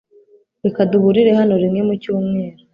Reka duhurire hano rimwe mu cyumweru